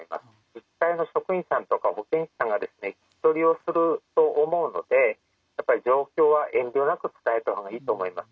自治体の職員さんとか保健師さんが聞き取りをすると思うのでやっぱり状況は遠慮なく伝えた方がいいと思います。